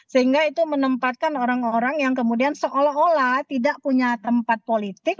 sehingga itu menempatkan orang orang yang kemudian seolah olah tidak punya tempat politik